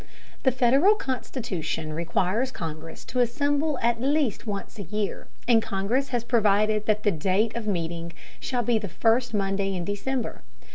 The Federal Constitution requires Congress to assemble at least once a year, and Congress has provided that the date of meeting shall be the first Monday in December.